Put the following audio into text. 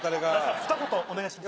ふた言お願いします。